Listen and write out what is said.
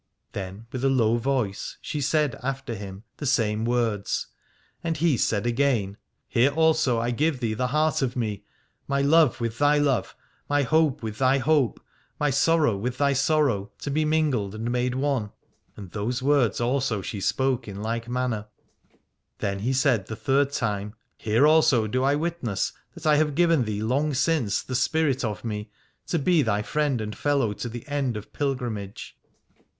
Then with a low voice she said after him the same words. And he said again : Here also I give thee the heart of me, my love with thy love, my hope with thy hope, my sorrow with thy sorrow to be mingled and made one. And those words also she spoke in like manner. Then he said the third time : Here also do I witness that I have given thee long since the spirit of me, to be thy friend and fellow to the end of pilgrimage.